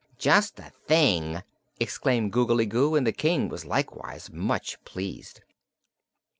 "Just the thing!" exclaimed Googly Goo, and the King was likewise much pleased.